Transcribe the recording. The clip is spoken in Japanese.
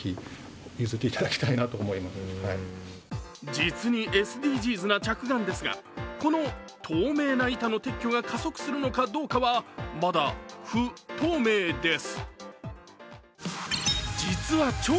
実にＳＤＧｓな着眼ですが、この透明な板の撤去が加速するのかどうかはまだ不透明です。